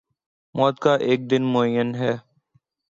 موت کا ایک دن معین ہے